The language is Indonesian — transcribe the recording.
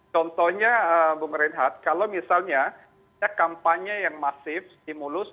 contohnya bung reinhardt kalau misalnya kampanye yang masif stimulus